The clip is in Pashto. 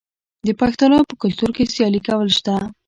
د پښتنو په کلتور کې سیالي کول شته.